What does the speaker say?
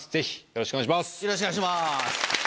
よろしくお願いします。